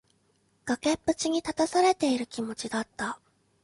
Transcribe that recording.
崖っぷちに立たされている気持ちだった。